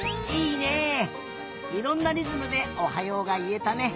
いろんなりずむで「おはよう」がいえたね。